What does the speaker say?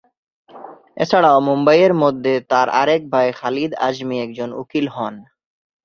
এছাড়াও মুম্বাইয়ের মধ্যে তার আরেক ভাই খালিদ আজমি একজন উকিল হন।